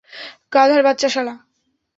গাধার বাচ্চা শালা।